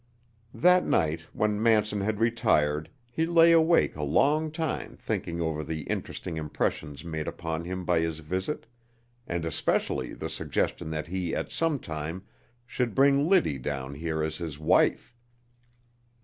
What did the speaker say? That night when Manson had retired he lay awake a long time thinking over the interesting impressions made upon him by his visit, and especially the suggestion that he at some time should bring Liddy down here as his wife!